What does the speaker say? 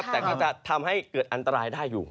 แต่ก็จะทำให้เกิดอันตรายได้อยู่